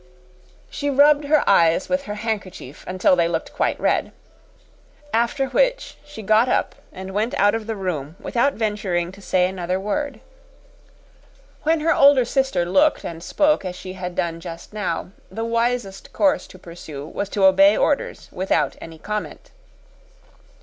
She rubbed her eyes with her handkerchief until they looked quite red. After which she got up and went out of the room, without venturing to say another word. When her older sister looked and spoke as she had done just now, the wisest course to pursue was to obey orders without any comment.